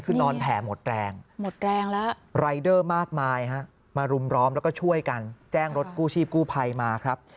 คือนอนแผ่หมดแรงหมดแรงแล้วรายเดอร์มากมายฮะมารุมร้อมแล้วก็ช่วยกันแจ้งรถกู้ชีพกู้ภัยมาครับ